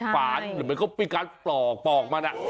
ปาดหรือมันก็มีการปลอกมันอ่ะ